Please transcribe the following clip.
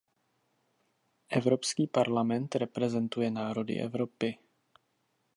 Evropský parlament reprezentuje národy Evropy.